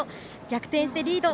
逆転してリード。